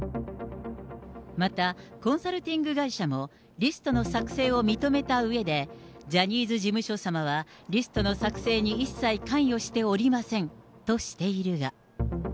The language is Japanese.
また、コンサルティング会社も、リストの作成を認めたうえで、ジャニーズ事務所様はリストの作成に一切関与しておりませんとしているが。